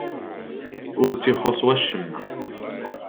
Ur tt-ixuṣṣ wacemma?